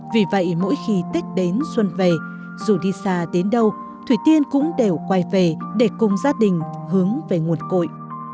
vì vậy mỗi khi tết đến xuân về dù đi xa đến đâu thủy tiên cũng đều quay về để cùng gia đình hướng về nguồn cội